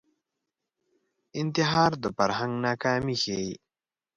انتحار د فرهنګ ناکامي ښيي